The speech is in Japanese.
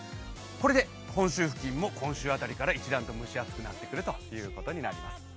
これで本州付近も今週から一段と蒸し暑くなってくるということです。